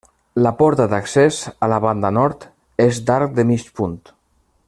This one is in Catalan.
La porta d'accés, a la banda nord, és d'arc de mig punt.